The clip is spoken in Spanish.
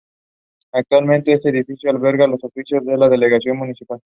Actualmente, este edificio alberga las oficinas de la Delegación Municipal.